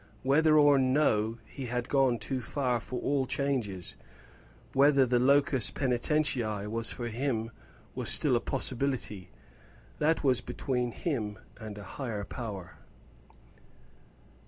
Whether or no he had gone too far for all changes whether the locus penitentiæ was for him still a possibility that was between him and a higher power.